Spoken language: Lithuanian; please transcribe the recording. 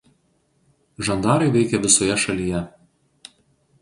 Žandarai veikė visoje šalyje.